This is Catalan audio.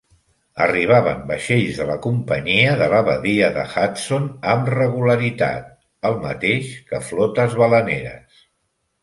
Arribaven vaixells de la companyia de la badia de Hudson amb regularitat, el mateix que flotes baleneres.